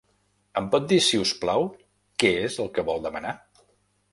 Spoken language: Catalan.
Em pot dir, si us plau, què és el que vol demanar?